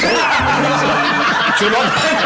สูรสแน่นมาก